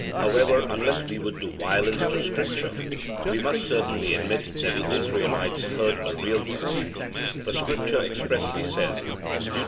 However, unless we would do violence to Scripture, we must certainly admit that the Israelites heard a real voice, for Scripture expressly says, Deut.